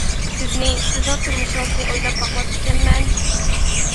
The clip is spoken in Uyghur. سىزنى، سىزنىڭ تۇرمۇشىڭىزنى ئويلاپ باقماپتىكەنمەن.